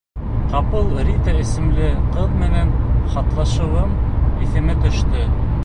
Ҡапыл Рита исемле ҡыҙ менән хатлашыуым иҫемә төштө.